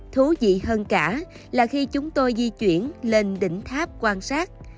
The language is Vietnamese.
thú vị hơn cả là khi chúng tôi di chuyển lên đỉnh tháp quan sát